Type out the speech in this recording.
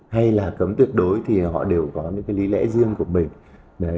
hay là cấm tuyệt đối thì họ đều có những lý lẽ